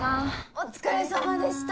お疲れさまでした！